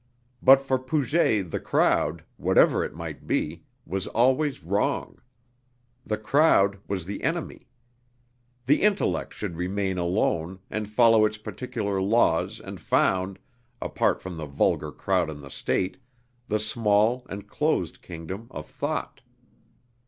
But for Puget the crowd, whatever it might be, was always wrong. The crowd was the enemy. The intellect should remain alone and follow its particular laws and found, apart from the vulgar crowd and the State, the small and closed kingdom of thought.